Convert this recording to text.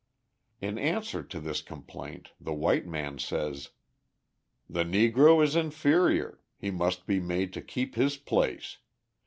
In answer to this complaint, the white man says: "The Negro is inferior, he must be made to keep his place.